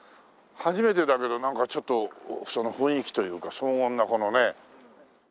初めてだけどなんかちょっと雰囲気というか荘厳なこのね。